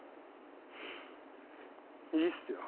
いいっすよ。